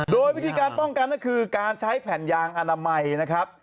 โดยวิธีการป้องกันก็คือการใช้แผ่นยางอนามัยนะครับ